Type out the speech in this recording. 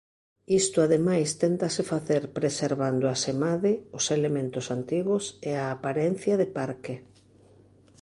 Isto ademais téntase facer preservando asemade os elementos antigos e a aparencia de parque.